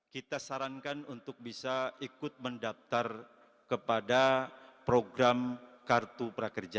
kita sarankan untuk bisa ikut mendaftar kepada program kartu prakerja